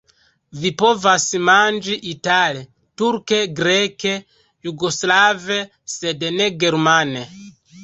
Vi povas manĝi itale, turke, greke, jugoslave, sed ne germane.